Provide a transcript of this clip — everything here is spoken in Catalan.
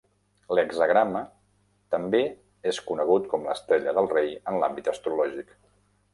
L'hexagrama també és conegut com l'"estrella del rei" en l'àmbit astrològic.